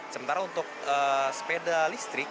sementara untuk sepeda listrik